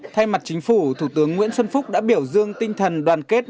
thay mặt chính phủ thủ tướng nguyễn xuân phúc đã biểu dương tinh thần đoàn kết